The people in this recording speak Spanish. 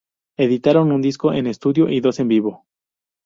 Editaron un disco en estudio y dos en vivo.